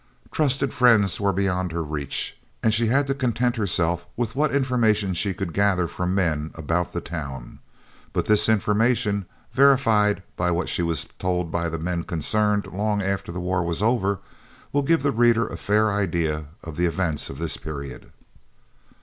Trusted friends were beyond her reach, and she had to content herself with what information she could gather from men "about the town," but this information, verified by what she was told by the men concerned long after the war was over, will give the reader a fair idea of the events of this period.